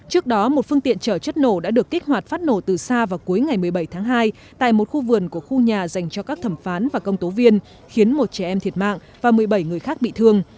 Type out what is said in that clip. trước đó một phương tiện chở chất nổ đã được kích hoạt phát nổ từ xa vào cuối ngày một mươi bảy tháng hai tại một khu vườn của khu nhà dành cho các thẩm phán và công tố viên khiến một trẻ em thiệt mạng và một mươi bảy người khác bị thương